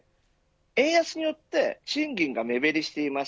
円安によって賃金が目減りしています。